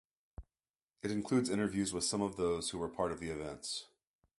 It includes interviews with some of those who were part of the events.